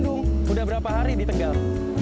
dari bandung udah berapa hari di tegal